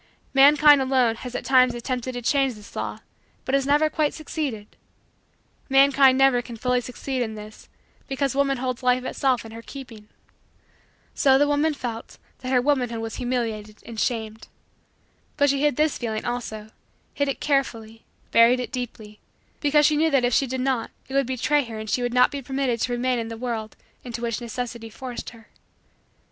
Mankind, alone, has at times attempted to change this law but has never quite succeeded. Mankind never can fully succeed in this because woman holds life itself in her keeping. So the woman felt that her womanhood was humiliated and shamed. But she hid this feeling also, hid it carefully, buried it deeply, because she knew that if she did not it would betray her and she would not be permitted to remain in the world into which necessity forced her.